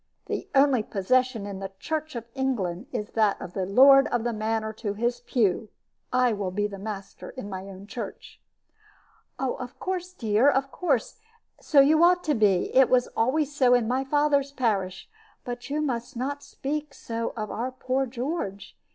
The only procession in the Church of England is that of the lord of the manor to his pew. I will be the master in my own church." "Of course, dear, of course; so you ought to be. It always was so in my father's parish. But you must not speak so of our poor George.